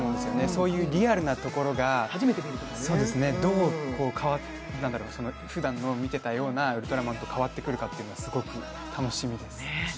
そういうリアルなところがどう、ふだん見ていたような「ウルトラマン」と変わってくるかというのがすごく楽しみです。